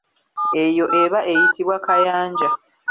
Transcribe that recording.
Eyo eba eyitibwa kayanja.